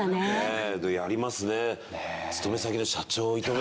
やりますね。